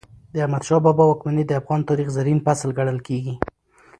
د احمد شاه بابا واکمني د افغان تاریخ زرین فصل ګڼل کېږي.